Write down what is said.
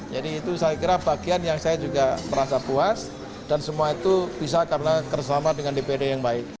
jadi itu saya kira bagian yang saya juga merasa puas dan semua itu bisa karena keresama dengan dprd yang baik